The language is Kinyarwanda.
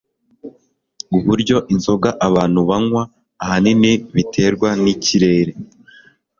uburyo inzoga abantu banywa ahanini biterwa nikirere